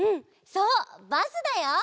そうバスだよ！